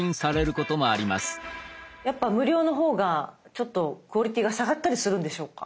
やっぱ無料の方がちょっとクオリティーが下がったりするんでしょうか？